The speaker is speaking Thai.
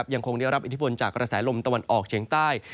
ยังคงได้รับอิทธิพลจากกระแสลมตะวันออกเฉียงใต้